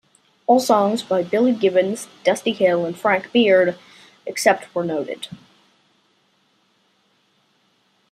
All songs by Billy Gibbons, Dusty Hill and Frank Beard, except where noted.